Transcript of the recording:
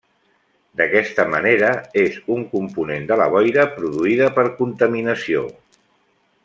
D'aquesta manera, és un component de la boira produïda per contaminació.